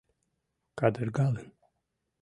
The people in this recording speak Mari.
Кадыргалын